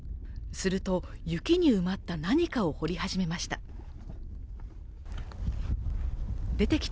すると雪に埋まった何かを掘り始めました。